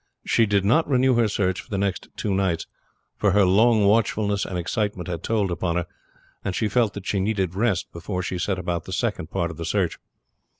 She did not renew her search for the next two nights; for her long watchfulness and excitement had told upon her, and she felt that she needed rest before she set about the second part of the search.